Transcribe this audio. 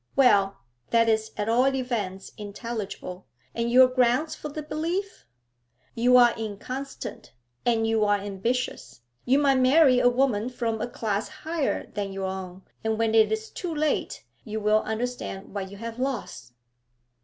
'Well, that is at all events intelligible. And your grounds for the belief?' 'You are inconstant, and you are ambitious. You might marry a woman from a class higher than your own, and when it is too late you will understand what you have lost.'